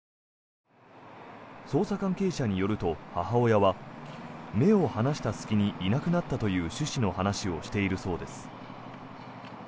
捜査関係者によると、母親は目を離した隙にいなくなったという趣旨の話をしているそうです。